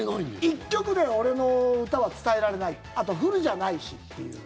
１曲では俺の歌は伝えられないあと、フルじゃないしっていう。